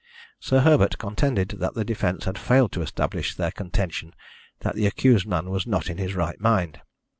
Sir Herbert contended that the defence had failed to establish their contention that the accused man was not in his right mind.